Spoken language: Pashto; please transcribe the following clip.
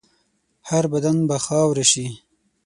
هر بدن به خاوره شي.